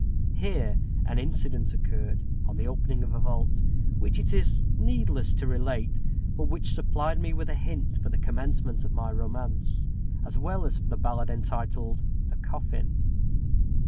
Here an incident occurred, on the opening of a vault, which it is needless to relate, but which supplied me with a hint for the commencement of my romance, as well as for the ballad entitled "The Coffin."